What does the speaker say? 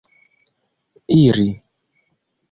iri